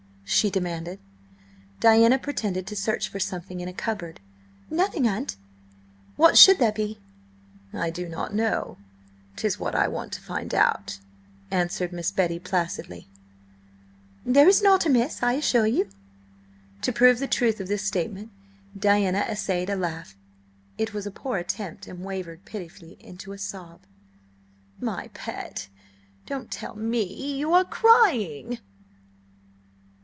she demanded. Diana pretended to search for something in a cupboard. "Nothing, aunt! What should there be?" "I do not know. 'Tis what I want to find out," answered Miss Betty placidly. "There is nought amiss, I assure you!" To prove the truth of this statement, Diana essayed a laugh. It was a poor attempt, and wavered pitifully into a sob. "My pet, don't tell me! You are crying!"